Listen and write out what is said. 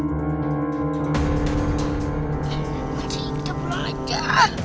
ini menurutku kita perlu ajar